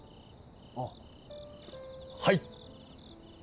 あっはい！